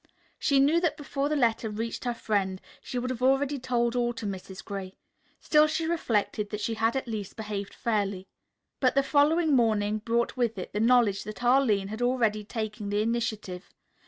She knew that before the letter reached her friend, she would have already told all to Mrs. Gray. Still she reflected that she had at least behaved fairly. But the following morning brought with it the knowledge that Arline had already taken the initiative.